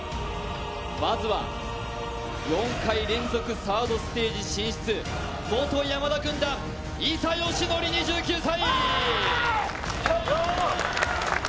まずは４回連続サードステージ進出、元山田軍団、伊佐嘉矩２９歳。